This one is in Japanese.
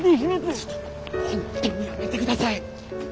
ちょっと本当にやめてください。